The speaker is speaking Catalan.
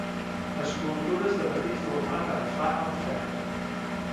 Escultures de petit format en fang o en ferro.